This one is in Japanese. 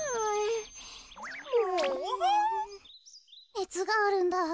ねつがあるんだ。